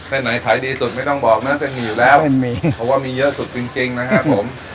ไหนขายดีสุดไม่ต้องบอกน่าจะมีอยู่แล้วไม่มีเพราะว่ามีเยอะสุดจริงนะครับผม